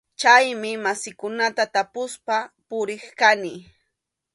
Chaymi masiykunata tapuspa puriq kani.